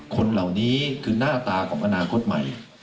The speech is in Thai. คนเหล่านี้คือหน้าตาของอนาคตใหม่